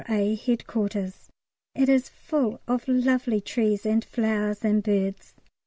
A. Headquarters. It is full of lovely trees and flowers and birds.